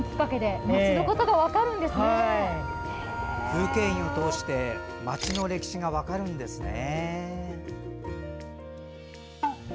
風景印を通して街の歴史が分かるんですね。